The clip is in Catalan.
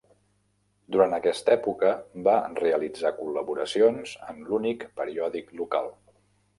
Durant aquesta època, va realitzar col·laboracions en l'únic periòdic local.